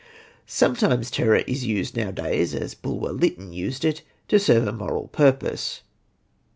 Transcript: Sometimes terror is used nowadays, as Bulwer Lytton used it, to serve a moral purpose.